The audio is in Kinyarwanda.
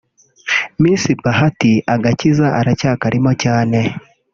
Miss Bahati agakiza aracyakarimo cyane